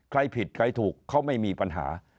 ใครผิดใครถูกเขาไม่มีปัญหา